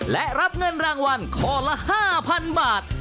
และรับเงินรางวัลข้อละ๕๐๐๐บาท